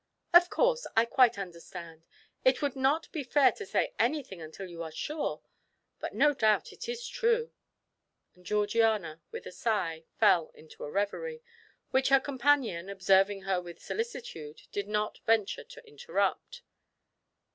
"Of course, I quite understand. It would not be fair to say anything until you are sure. But no doubt it is true." And Georgiana, with a sigh, fell into a reverie, which her companion, observing her with solicitude, did not venture to interrupt.